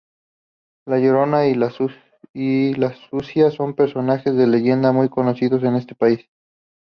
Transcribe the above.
La Llorona y la Sucia son personajes de leyenda muy conocidos en este país.